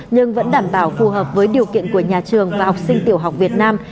nhưng vẫn đảm bảo phù hợp với điều kiện của nhà trường và học sinh tiểu học việt nam